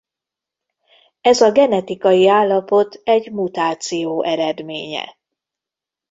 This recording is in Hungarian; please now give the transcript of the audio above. Ez a genetikai állapot egy mutáció eredménye.